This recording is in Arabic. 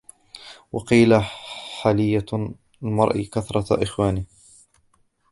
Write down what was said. وَقِيلَ حِلْيَةُ الْمَرْءِ كَثْرَةُ إخْوَانِهِ